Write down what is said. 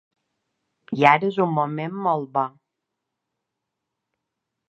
I ara és un moment molt bo.